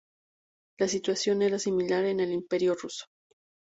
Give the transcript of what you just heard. La situación era similar en el Imperio Ruso.